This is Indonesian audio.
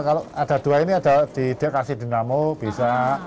kalau ada dua ini dikasih di namo bisa